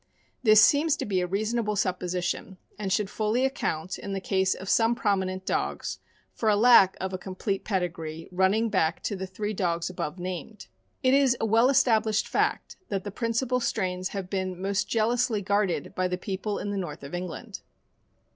This seems to be a rea sonable supposition, and should fully account, in the case of some prominent dogs, for the lack of a complete pedi gree running back to the three dogs above named. It is a well established fact that the principal strains have been most jealously guarded by the people in the north of Eng land.